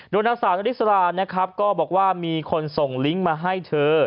โดยนางสาวนริสรานะครับก็บอกว่ามีคนส่งลิงก์มาให้เธอ